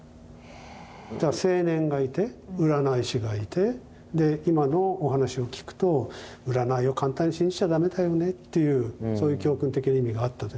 青年がいて占い師がいてで今のお話を聞くと占いを簡単に信じちゃ駄目だよねっていうそういう教訓的な意味があったとして。